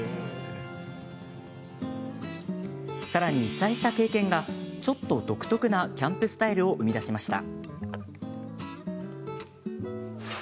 さらに被災した経験がちょっと独特なキャンプスタイルを生み出しました。